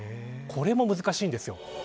これも難しいんです。